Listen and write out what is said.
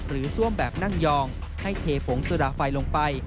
ซ่วมแบบนั่งยองให้เทผงสุดาไฟลงไป